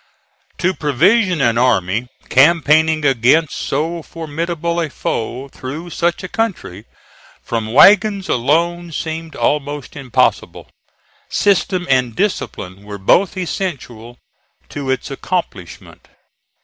To provision an army, campaigning against so formidable a foe through such a country, from wagons alone seemed almost impossible. System and discipline were both essential to its accomplishment.